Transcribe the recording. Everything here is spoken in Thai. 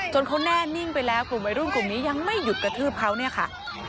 เขาแน่นิ่งไปแล้วกลุ่มวัยรุ่นกลุ่มนี้ยังไม่หยุดกระทืบเขาเนี่ยค่ะ